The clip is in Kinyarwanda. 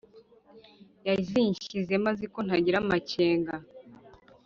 Yazinshyize mo azi ko ntagira amakenga